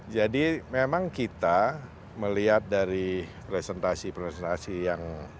jadi memang kita melihat dari presentasi presentasi yang